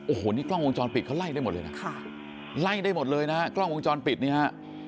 โอ้โหนี่กล้องวงจรปิดเขาไล่ได้หมดเลยนะค่ะไล่ได้หมดเลยนะฮะกล้องวงจรปิดนี่ฮะ